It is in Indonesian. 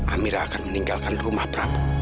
amira akan meninggalkan rumah berapa